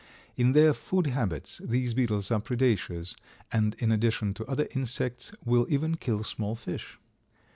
In their food habits these beetles are predaceous, and in addition to other insects, will even kill small fish.